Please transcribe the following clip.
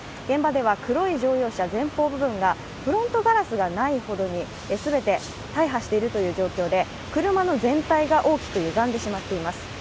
現場では黒い乗用車、前方部分がフロントガラスないほどに全て大破しているという状況で車の全体が大きくゆがんでしまっています。